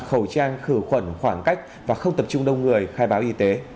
khẩu trang khử khuẩn khoảng cách và không tập trung đông người khai báo y tế